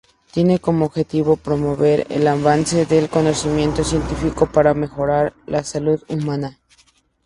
Tiene como objetivo promover el avance del conocimiento científico para mejorar la salud humana.